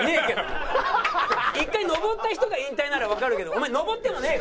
１回上った人が引退ならわかるけどお前上ってもねえ